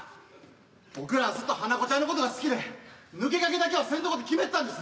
僕らはずっと花子ちゃんのことが好きで抜け駆けだけはせんとこうって決めてたんです。